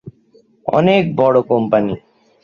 অনেক বড় কোম্পানি।